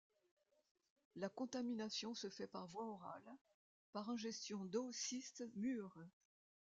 La contamination se fait par voie orale, par ingestion d'oocystes mûrs.